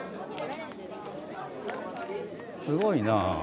すごいな。